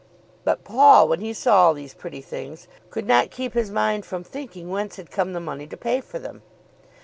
But Paul, when he saw all these pretty things, could not keep his mind from thinking whence had come the money to pay for them.